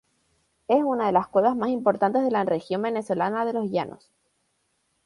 Es una de las cuevas más importantes de la región venezolana de los Llanos.